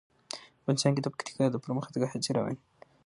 افغانستان کې د پکتیکا د پرمختګ هڅې روانې دي.